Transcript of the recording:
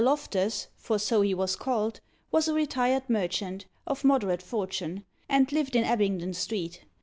Loftus (for so he was called) was a retired merchant, of moderate fortune, and lived in Abingdon Street.